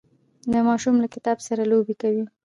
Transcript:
دا ماشوم له کتاب سره لوبې کوي.